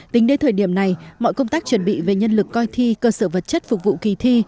tính đến thời điểm này mọi công tác chuẩn bị về nhân lực coi thi cơ sở vật chất phục vụ kỳ thi